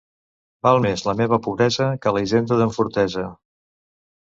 Val més la meva pobresa que la hisenda d'en Fortesa.